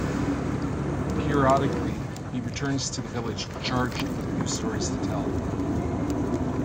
Periodically, he returns to the village charged with new stories to tell.